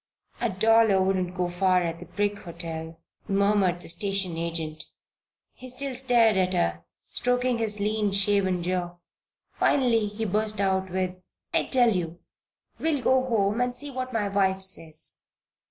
"A dollar wouldn't go far at the Brick Hotel," murmured the station agent. He still stared at her, stroking his lean, shaven jaw. Finally he burst out with: "I tell you! We'll go home and see what my wife says."